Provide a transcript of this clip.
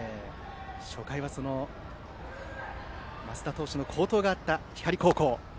初回は、升田投手の好投があった光高校。